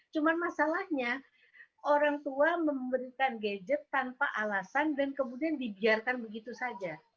cuma masalahnya orang tua memberikan gadget tanpa alasan dan kemudian dibiarkan begitu saja